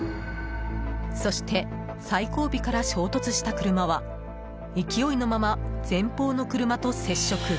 そして、最後尾から衝突した車は勢いのまま前方の車と接触。